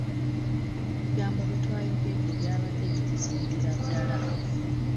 Ebigambo bye twayogedde byabadde bituzimbira ddala.